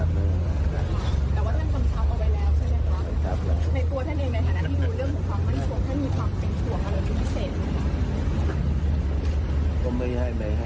ผลเอกลวิทย์บอกว่าห่วงเรื่องมือที่๓แล้วก็ได้กำชับเจ้าหน้าที่ไปแล้วว่าต้องไม่ให้เกิดขึ้นนะฮะ